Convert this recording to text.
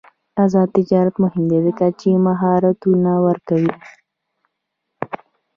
آزاد تجارت مهم دی ځکه چې مهارتونه ورکوي.